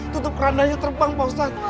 tutup kandanya terbang pak ustadz